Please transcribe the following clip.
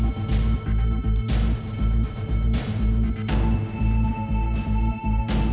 สวัสดีครับที่ได้รับความรักของคุณ